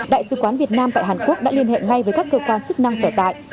đại sứ quán việt nam tại hàn quốc đã liên hệ ngay với các cơ quan chức năng sở tại